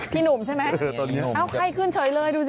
พี่หนุ่มใช่ไหมเอ้าไข้ขึ้นเฉยเลยดูสิ